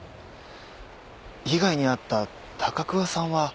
被害に遭った高桑さんは？